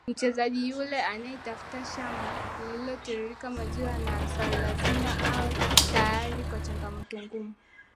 Mchezaji yeyote anayetafuta shamba linalotiririka maziwa na asali lazima awe tayari kwa changamoto ngumu